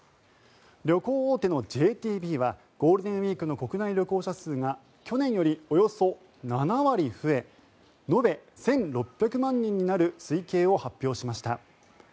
旅行大手のＪＴＢはゴールデンウィークの国内旅行者数が去年よりおよそ７割増え延べ１６００万人になる推計を発表しました。